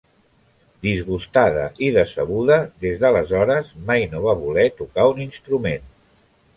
Disgustada i decebuda, des d'aleshores mai no va voler tocar un instrument.